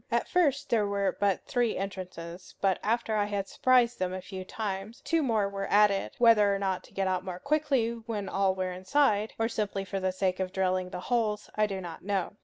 At first there were but three entrances; but after I had surprised them a few times, two more were added; whether to get out more quickly when all were inside, or simply for the sake of drilling the holes, I do not know.